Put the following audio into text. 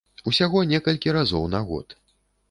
Усяго некалькі разоў на год.